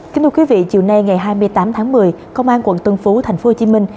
kính thưa quý vị chiều nay ngày hai mươi tám tháng một mươi công an quận tân phú thành phố hồ chí minh